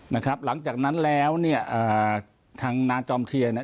นะครับหลังจากนั้นแล้วเนี่ยเอ่อทางนาจอมเทียนเนี่ย